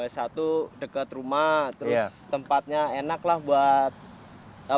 satu dekat rumah terus tempatnya enak lah buat apa